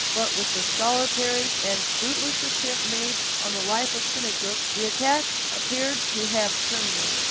But with the solitary and fruitless attempt made on the life of Chingachgook, the attack appeared to have terminated.